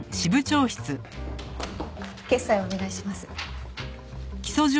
決裁をお願いします。